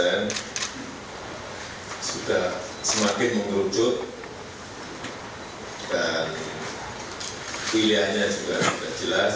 meskipun belum selesai seratus persen sudah semakin mengerucut dan pilihannya juga sudah jelas